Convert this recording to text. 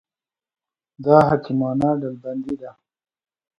دا حکیمانه ډلبندي ده.